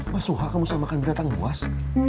mas suha kamu samakan binatang buas